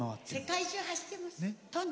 世界中、走ってます。